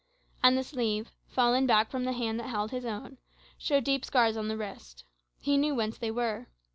And the sleeve, fallen back from the hand that held his own, showed deep scars on the wrist. He knew whence they were.